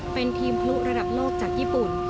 เป็นทีมพลุระดับโลกจากญี่ปุ่น